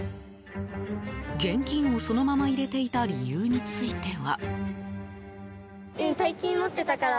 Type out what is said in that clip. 現金をそのまま入れていた理由については。